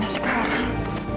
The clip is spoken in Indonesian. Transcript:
gue harus kemana sekarang